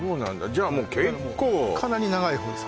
じゃあもう結構かなり長い方です